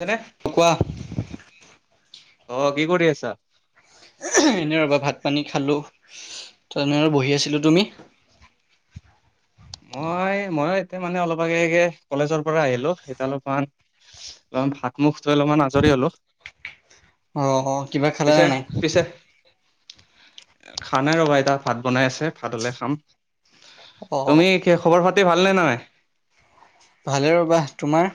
[unintelligible] কোৱা অ' কি কৰি আছা? এনে ৰ'বা ভাত পানী খালোঁ, ত' এনে আৰু বহি আছিলোঁ তুমি? [inaudible] মই মই এতিয়া মানে অলপ আগেগে কলেজৰ পৰা আহিলোঁ অলপমান ভাত মুখ থৈ অলপমান আজৰি হ'লোঁ। অ' হ কিবা খালা নে নাই? খানাই ৰ'বা এতিয়া ভাত বনাই আছে, ভাত হ'লে খাম। অ তুমি কি খবৰ পাতি ভালনে নাই? ভালে ৰ'বা, তোমাৰ?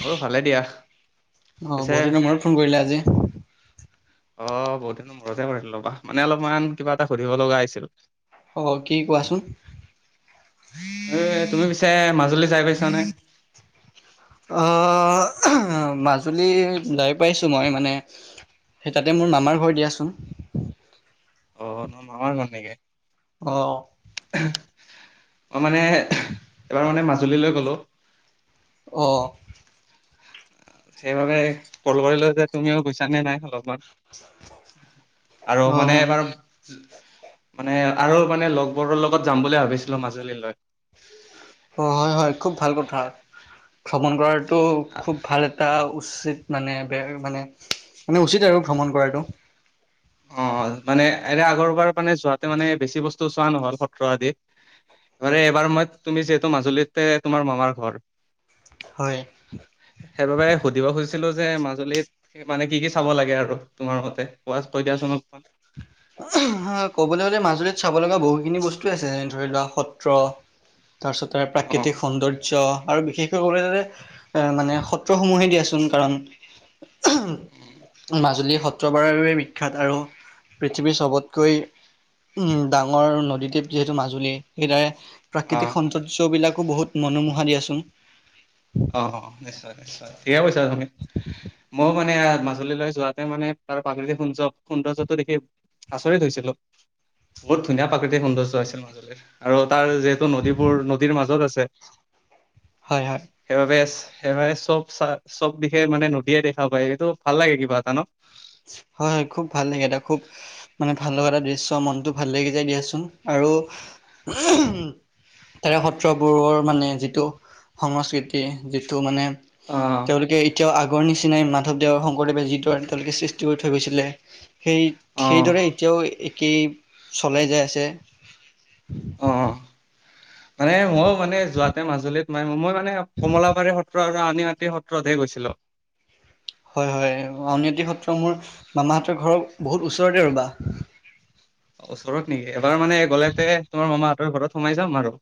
মোৰো ভালে দিয়া পিছে বহুত দিনৰ মূৰত ফোন কৰিলা আজি। অ' বহুত দিননৰ মূৰতে কৰিছিল ৰ'বা মানে অলপমান কিবা এটা সুধিব লগা আছিল। অ' কি কোৱাচোন? এ তুমি পিছে মাজুলী যাই পাইছানে? অ মাজুলী যায় পাইছোঁ মই মানে সেই তাতে মোৰ মামাৰ ঘৰ দিয়াচোন। অ' তোমাৰ মামাৰ ঘৰ নেকি। অ'। মই মানে, এবাৰ মানে মাজুলীলৈ গ'লো। অ'। সেইবাবে ক'ল কৰিলোঁ যে তুমিও গৈছা নে নাই লগত। আৰু অ মানে এবাৰ মানে আৰু মানে লগবোৰৰ লগত যাম বুলি ভাবিছিলোঁ মাজুলীলৈ। অ' হয় হয় খুব ভাল কথা, ভ্ৰমণ কৰাটো খুব ভাল এটা উচিত মানে বে মানে, মানে উচিত আৰু ভ্ৰমণ কৰাটো। অ' মানে এনে আগৰবাৰ মানে যোৱাতে মানে বেছি বস্তু চোৱা নহ'ল সত্ৰ আদি। [unintelligible] এইবাৰ মই তুমি যিহেতু মাজুলীতে তোমাৰ মামাৰ ঘৰ। হয় সেইবাবে সুধিব খুজিছ [unintelligible] যে মাজুলীত মানে কি কি চাব লাগে আৰু তোমাৰ মতে কোৱা কৈ দিয়াচোন অকমান। ক'বলৈ গ'লে মাজুলীত চাব লগা বহুত খিনি বস্তুৱে আছে যে ধৰি লোৱা সত্ৰ তাৰপিছতে অ প্ৰাকৃতিক সৌন্দৰ্য আৰু বিশেষ [unintelligible] গ'লে এ মানে সত্ৰসমূহে দিয়াচোন কাৰণ। মাজুলী সত্ৰবাৰৰ বাবে বিখ্যাত আৰু পৃথিৱীৰ চবতকৈ উম, ডাঙৰ নদীদ্বীপ যিহেতু মাজুলী সেইদৰে অ প্ৰাকৃতিক সৌন্দৰ্যবিলাকো বহুত মনোমোহা দিয়াচোন। অ', অ', নিশ্চয় নিশ্চয় ঠিকে কৈছা তুমি, মোক মানে মাজুলী লৈ যোৱাতে মানে তাৰ প্ৰাকৃতিক সৌৰ্য সৌন্দৰ্যতো দেখি আচৰিত হৈছিলোঁ। বহুত ধুনীয়া প্ৰাকৃতিক সৌন্দৰ্য আছিল [inaudible] আৰু তাৰ যিহেতু নদীবোৰ নদীৰ মাজত আছে। হয় হয়। সেইবাবে সেইবাবে চব চা চব দিশে মানে নদীয়ে দেখা পায় এইটো ভাল লাগে কিবা এটা ন'। হয় হয় খুব ভাল লাগে এটা খুব মানে ভাল লগা এটা দৃশ্য মনটো ভাল লাগি যায় দিয়াচোন আৰু আৰু তাৰে সত্ৰবোৰৰ মানে যিটো সংস্কৃতি যিটো মানে অ', তেওঁলোকে এতিয়াও আগৰ নিচিনাই মাধৱদেৱৰ শংকৰদেৱে যিদৰে তেওঁলোকে সৃ [unintelligible] থৈ গৈছিলে, সেই অ', সেইদৰে এতিয়াও [unintelligible] চলাই যাই আছে। আহঁ। মানে ময়ো মানে যোৱাতে মাজুলীত মাৰিম মই মানে কমলাবাৰী সত্ৰ আৰু আনীআটী সত্ৰতেহে গৈছিলো। [unintelligible] হয় হয় আউনীআটী সত্ৰ মোৰ মামাহতৰ ঘৰৰত বহুত ওচৰতে ৰবা। ওচৰত নেকি এবাৰ মানে গলেতে তোমাৰ মামাহঁতৰ ঘৰত সোমাই যাম আৰু।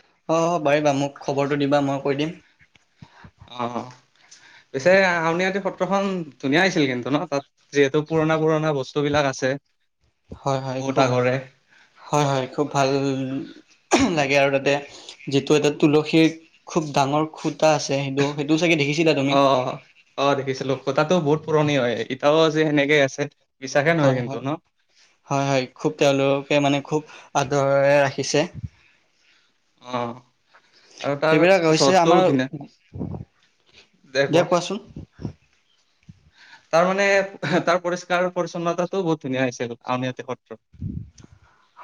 অ, হ পাৰিবা মোক খবৰটো দিবা মই কৈ দিম। অ,। পিছে আউনিআটি সত্ৰখনন ধুনীয়া আহিছিল কিন্তু ন তাত যিহেতু পুৰণা পুৰণা বস্তু বিলাক আছে। হয়, হয় বহুত খুব আগৰে হয়, হয় খুব ভাল লাগে আৰু তাতে যিটো এটা তুলসীৰ খুব ডাঙৰ খুত কটা আছে সেইটো সেইটোও চাগে দেখিছিলা তুমি। অ', অ', দেখিছিলোঁ তাতো বহুত পুৰণি হয় এতিয়াও আছে যে সেনেকে আছে। বিশ্বাসে নহয় হয়, কিন্তু হয়, ন হয়, হয় খুব তেওঁলোক মানে খুব আদৰে ৰাখিছে। অ। আৰু তাৰ এইবিলাক হৈছে চহৰটোও আমাৰ ধুনীয়া দেখুৱা দিয়া কোৱাচোন হয়। তাৰ মানে তাৰ পৰিষ্কাৰ পৰিচ্ছন্নতাটো বহুত ধুনীয়া হৈছে আনতে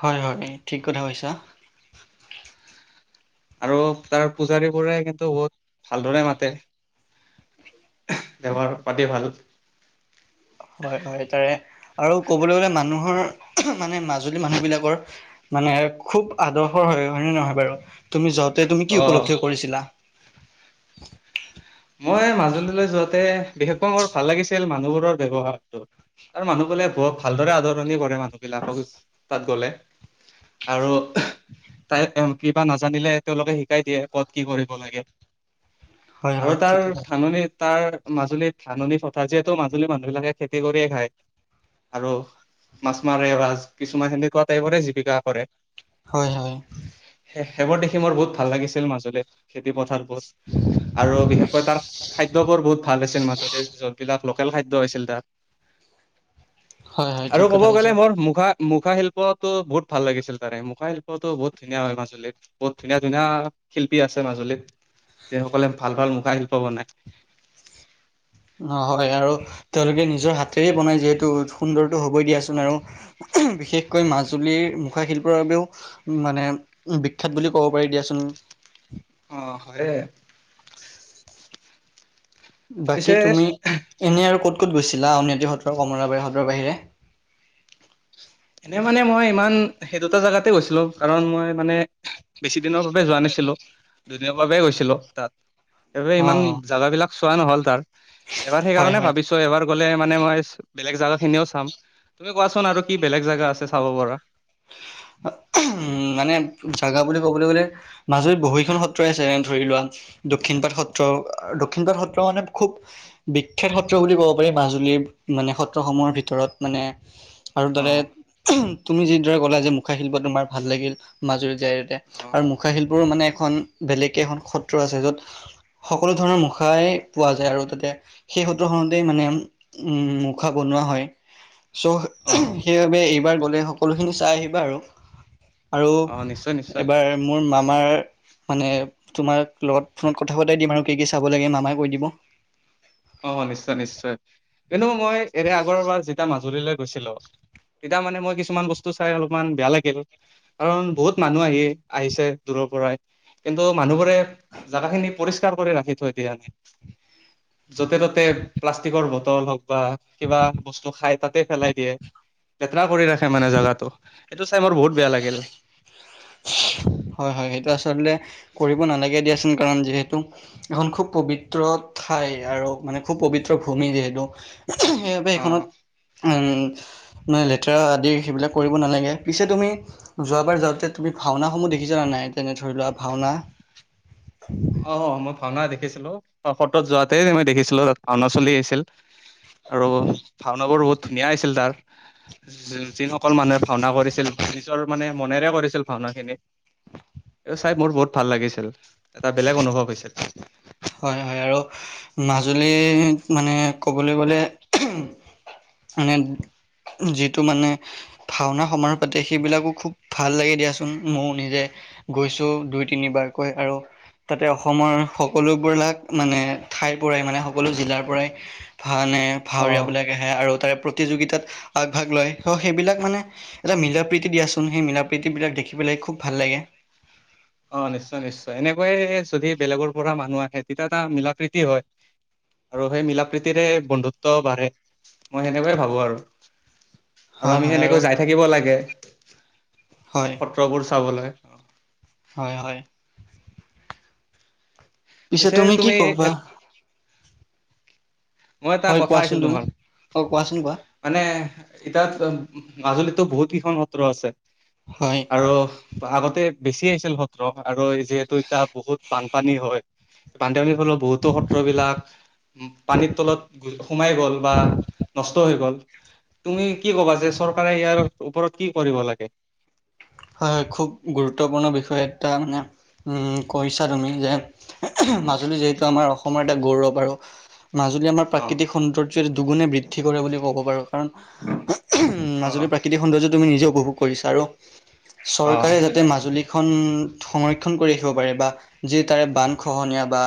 হয়, হয় ঠিক কথা কৈছা। আৰু তাৰ পূজাৰী বোৰে কিন্তু বহুত ভালদৰে মাতে। বৱহাৰ পাতি ভাল। হয় হয় তাৰে আৰু ক'বলৈ গ'লে মানুহৰ মানে মাজুলী মানুহ বিলাকৰ মানে খুব আদৰ্শৰ হয়। হয় ন -নহয় বাৰু তুমি যওঁতে তুমি কি অ উপলব্ধি কৰিছিলা? মই মাজুলীলৈ যোৱাতে বিশেষকৈ মোৰ ভাল লাগিছিল মানুহবোৰৰ ব্য্ৱহাৰটো। আৰু মানুহ বোলে বহুত ভালদৰে আদৰণি কৰে মানুহবিলাকক তাত গলে। আৰু তাই কিবা নাজানিলে তেওঁলোকে শিকাই দিয়ে ক'ত কি কৰিব লাগে। হয় আৰু হয় তাৰ ঠিক কথা ধাননি তাৰ মাজুলীত ধাননি পথা যিহেতু মাজুলী মানুহ বিলাকে খেতি কৰিয়ে খায়। আৰু মাছ মাৰে বা কিছুমান সেনেকুৱা টাইপৰে জীৱিকা কৰে। হয়, হয়। এ সেইবোৰ দেখি মোৰ বহুত ভাল লাগিছিল মাজুল খেতি পথাৰ বোৰ। আৰু বিশেষকৈ তাৰ খাদ্যবোৰ বহুত ভাল আছিল মাজতে লোকেল খাদ্য হৈছিল হয় তাত হয় আৰু ঠিক ক'ব কথা গ'লে কৈছা মোৰ মুখা মুখা শিল্পতো বহুত ভাল লাগিছিল তাৰে মুখা শিল্পতটো বহুত ধুনীয়া হয় মাজুলীত বহুত ধুনীয়া ধুনীয়া শিল্পী আছে মাজুলীত যিসকলে ভাল, ভাল মুখা শিল্প বনায়। অ, হয় আৰু তেওঁলোকে নিজৰ হাতেৰে বনাই যিহেতু সুন্দৰটো হবই দিয়াচোন আৰু বিশেষকৈ মাজুলীৰ মুখা শিল্পৰ বাবেও মানে বিখ্যাত বুলি ক'ব পাৰি দিয়াচোন। অ, হয়। [inaudible] বাকী পিছে তুমি এনে আৰু ক'ত ক'ত গৈছিলা আউনআতি হতৰ কমলাবাৰী হতৰ বাহিৰে? এ মানে মই ইমান সেই দুটা জেগাতে গৈছিলো কাৰণ মই মানে বে দুদিনৰ বাবে যোৱা নাছিলো দুদিনৰ বাবে গৈছিলো তাত। সেইবাবে অ ইমান জোগাবলাক চোৱা নহল তাৰ এবাৰ হয় সেইকাৰণে হয় ভাবিছো এবাৰ গলে মানে মই বেলেগ জেগা খিনিও চাম তুমি কোৱাচোন আৰু কি বেলেগ জাগা আছে চাব পাৰ। উম মানে জাগা বুলি ক'বলৈ গ'লে মাজুলী বহুখন সত্ৰই আছে ধৰি লোৱা দক্ষিণ পাট সত্ৰ দক্ষিণ পাট সত্ৰ মানে খুব বিখ্যাত সত্ৰ বুলি ক'ব পাৰি মাজুলীৰ। ন সত্ৰসমূহৰ ভিতৰত মানে আৰু দৰে অ', তুমি যিদৰে ক'লা যে মুখা শিল্প তোমাৰ ভাল লাগিল মাজুলী য অ', আৰু মুখা শিল্পৰ মানে এখন বেলেগকে এখন সত্ৰ আছে য'ত সকলো ধৰণৰ মুখাই পোৱা যায় আৰু তাতে সেই সত্ৰখনতেই মানে উম মুখা বন োৱা হয় চ' অ', সেইবাবে এইবাৰ গ'লে সকলোখিনি চাই আহিবা আৰু আৰু অ', নিশ্চয় নিশ্চয় এবাৰ মোৰ মামাৰ মানে তোমাক লগত ফোনত কথা পতাই দিম আৰু কি কি চাব লাগে মামাক কৈ দিব অ নিশ্চয় নিশ্চয় কিন্তু মই এতি আগৰবাৰ যেতিয়া মাজুলীলৈ গৈছিলো তেতিয়া মানে মই কিছুমান বস্তু চাই অলপমান বেয়া লাগিল কাৰণ বহুত মানুহ আহি আহিছে দূৰৰ পৰাই কিন্তু মানুহবোৰ জোগা খিনি পৰিষ্কাৰ কৰি ৰাখি থৈ দিয় আমি য'তে -ত-'তে প্লাষ্টিকৰ বটল হওক বা কিবা বস্তু খাই তাতে পেলাই দিয়ে লেেতৰা কৰি ৰাখে মানে জেগাটো সটো চাই মোৰ বহুত বেয়া লাগিল হয়- হয় সেইটো আচলতে কৰিব নালাগে দিয়াচোন কাৰণ যিহেতু এখন খুব পবিত্ৰ ঠাই আৰু মানে খুব পবিত্ৰ ভূমি যিহেতু সেইবাবে অ এইখনত উম উ নয় লেতেৰা আদি সেইবিলাক কৰিব নালাগে পিছে তুমি যোৱাবাৰ যাওঁতে তুমি ভাওনাসমূহ কি জনা নাই তেনে ধৰি লোৱা ভাওনা অ মই ভাওনা দেখিছিলো সত্ৰত যোৱাতে মই দেখিছিলো তাত ভাওনা চলি আহিছিল আৰু ভাওনাবোৰ বহুত ধুনীয়া আছিল তাৰ যিসকল মানুহে ভাওনা কৰিছিল নিজৰ মানে মনেৰে কৰিছিল ভাওনা খিনি এ চাই মোৰ বহুত ভাল লাগিছিল এটা বেলেগ অনুভৱ হৈছিল হয় -হয় আৰু মাজুলী মানে ক'বলৈ গলে মানে যিটো মানে ভাওনা সমাৰো পাতে সেইবিলাকো খুব ভাল লাগে দিয়াচোন ময়ো নিজে গৈছো দুই তিনিবাৰকৈ আৰু তাতে অসমৰ সকলোবিলাক মানে ঠাইৰ পৰাই মানে সকলো জিলাৰ পৰাই ভানে অ ভাৱৰীয়া বিলাক আহে আৰু তাৰে প্ৰতি প্ৰতিযোগিতাত আগভাগ লয় সেইবিলাক মানে এটা মিলা প্ৰীতি দিয়াচোন সেই মিলা প্ৰীতি বিলাক দেখি পেলাই খুব ভাল লাগে উম অ নিশ্চয় নিশ্চয় এনেকুৱাইে যদি বেলেগৰ পৰা মানুহ আহে তেতিয়া এটা মিলা প্ৰীতি হয় আৰু সেই মিলা প্ৰীতিৰে বন্ধুত্ব বাঢ়ে মই সেনেকুৱয়ে ভাবো আৰু আৰু হয় আমি হয় সেনেকৈ যাই থাকিব লাগে হয় সত্ৰবোৰ চাবলৈ অ হয় হয় পিছে তুমি কি কবা মই এটা হয় কথা কোৱাচোন তুমি আছিলোতোমাৰ অ কোৱাচোন কোৱা মানে এতিাত মাজুলীততো বহুত কেইখন সত্ৰ আছে হয় আৰু আগতে বেছি আহিছিল সত্ৰ আৰু যিহেতু এতিয়া বহুত বানপানী হয় বানপানীৰ বহুতো সত্ৰ বিলাক পানীৰ তলত সোমাই গ'ল বা নষ্ট হৈ গ'ল তুমি কি কবা যে চৰকাৰে ইয়াৰ ওপৰত কি কৰিব লাগে হয় হয় খুব গুৰুত্বপূৰ্ণ বিষয়ে এটা মানে কৈছা তুমি যে মাজুলী যিহেতু আমাৰ অসমৰ এটা গৌৰৱ আৰু মাজুলী আমাৰ অ প্ৰাকৃতিক সৌন্দৰ্য দুগুণে বৃদ্ধি কৰে বুলি ক'ব পাৰো কাৰণ উম অ মাজুলীৰ প্ৰাকৃতিক সৌন্দৰ্য তুমি নিজে উপভোগ কৰিছা আৰু চৰকাৰে অ যাতে মাজুলীখন সংৰক্ষণ কৰি ৰাখিব পাৰে বা যি তাৰে বান খহনীয়া বা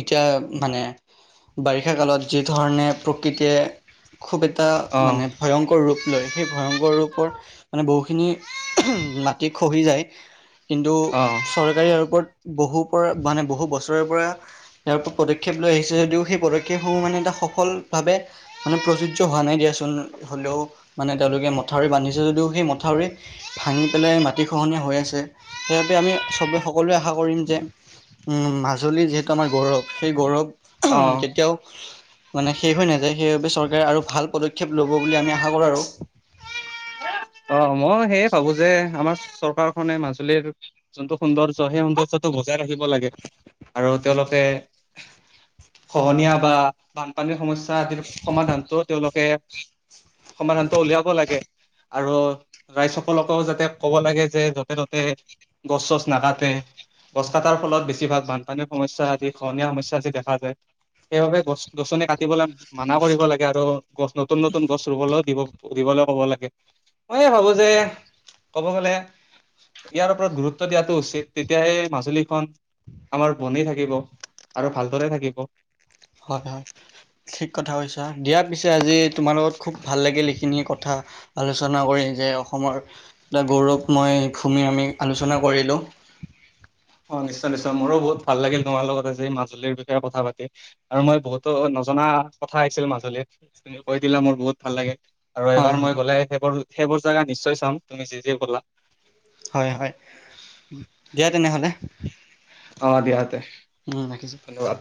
এতিয়া মানে বাৰিষা কালত যি ধৰণে প্ৰকৃতিয়ে খুব এটা অ মানে ভয়ংকৰ ৰূপ লয় সেই ভয়ংকৰ ৰূপৰ মানে বহুখিনি মাটি খহি যায় কিন্তু চৰকাৰী ওপৰত বহু পৰা মানে বহু বছৰৰেৰ পৰা ইয়াৰ ওপৰত পদক্ষেপ লৈ আহিছে যদিও সেই পদক্ষেপসমূহ মানে এটা সফল ভাৱে মানে প্ৰযোজ্য হোৱা হলেও মানে তেওঁলোকে মথাউৰি বান্ধি যদি মথাউৰি ভাঙি পেলায় মাটি সেই খন হৈ আছে সেই বাবে আমি সকলোৱে আশা কৰিম যে উম মাজুলীৰ যে আমাৰ গৌৰৱ সেই গৌৰৱ অ অ কেতিয়াও মানে শেষ হৈ নাযায় সেইবাবে চৰকাৰে আৰু ভাল পদক্ষেপ লব বুলি আমি আশা কৰ আৰু অ মই সেয়ে ভাবো যে আমাৰ চৰকাৰখনে মাজুলীৰ যোনটো সৌন্দৰ্যয় সেই সৌন্দৰ্যটো বজাই ৰাখিব লাগে আৰু তেওঁলোকে খহনীয়া বা বানপানীৰ সমস্যা আ সমাধানটো তেওঁলোকে সমাধানটো উলিয়াব লাগে আৰু ৰাইজসকলকেও যাতে ক'ব লাগে যে য'তে ততে গছ চছ নাকাটে গছ কাটাৰ ফলত বেছিভাগ বানপানীৰ সমস্যা আদি খহনীয়া সমস্যা আদি দেখা যায় সেইবাবে গছ গছনি কাটিবলৈ মানা কৰিব লাগে আৰু গছ নতুন নতুন গছ ৰুবলৈও দিব দিবলৈ ক'ব লাগে মই এ ভাবো যে ক'ব গলে ইয়াৰ ওপৰত গুৰুত্ব দিয়াটো উচিত তেতিয়াহে মাজুলীখন আমাৰ বনে থাকিব আৰু ভালদৰে থাকিব হয় হয় ঠিক কথা কৈছা দিয়া পিছে আজি তোমাৰ লগত খুব ভাল লাগিল এইখিনি কথা আলোচনা কৰি এই যে অসমৰ এটা গৌৰৱময় ভুমি আমি আলোচনা কৰিলো [inaudible] অ নিশ্চয় নিশ্চয় মোৰো বহুত ভাল লাগিল তোমাৰ লগত আ যে এই মাজুলীৰ বিষয়ে কথা পাতি আৰু মই বহুতো নজনা কথা আছিল মাজুলীত তুমি কৈ দিলা মোৰ বহুত ভাল লাগে আৰু হয় এইবাৰ হয় মই গ'লে সেইবোৰ সেইবোৰ জোগা নিশ্চয় চাম তুমি যি যি ক'লা হয় হয় দিয়া তেনেহলে অ দিয়হাতে উম ৰাখিছো ধন্যবাদ